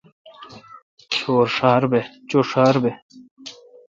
چھو ڄھار بہ۔